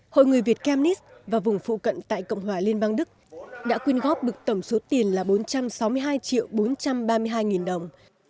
hội người việt kemis và vùng phụ cận tại cộng hòa liên bang đức đã quyên góp được tổng số tiền là bốn trăm sáu mươi hai triệu bốn trăm ba mươi hai nghìn đồng